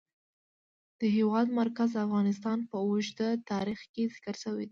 د هېواد مرکز د افغانستان په اوږده تاریخ کې ذکر شوی دی.